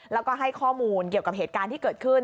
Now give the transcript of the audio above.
แล้วก็ให้ข้อมูลเกี่ยวกับเหตุการณ์ที่เกิดขึ้น